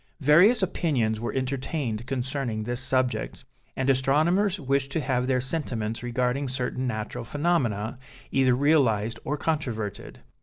Various opinions were entertained concerning this subject, and astronomers wished to have their sentiments regarding certain natural phenomena, either realized or controverted.